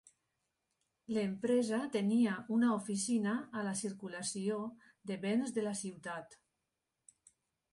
L'empresa tenia una oficina a la circulació de béns de la ciutat